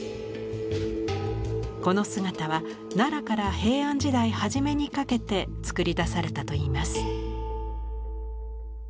この姿は奈良から平安時代初めにかけて作りだされたといいます。